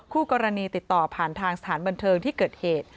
คู่กรณีติดต่อผ่านทางสถานบันเทิงที่เกิดเหตุ